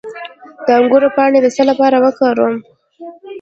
د انګور پاڼې د څه لپاره وکاروم؟